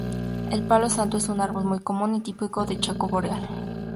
El Palo santo es un árbol muy común y típico del Chaco Boreal.